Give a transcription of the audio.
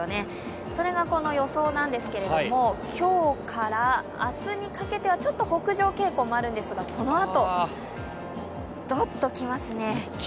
それがこの予想なんですけれども今日から明日にかけてはちょっと北上傾向もあるんですが、そのあと、どっと来ますね。